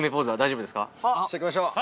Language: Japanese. しときましょう